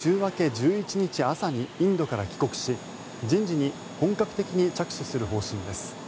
岸田総理は週明け１１日朝にインドから帰国し人事に本格的に着手する方針です。